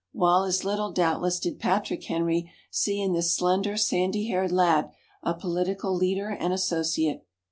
While as little, doubtless, did Patrick Henry see in this slender sandy haired lad, a political leader and associate.